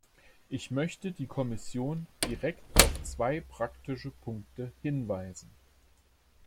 Ich möchte die Kommission direkt auf zwei praktische Punkte hinweisen.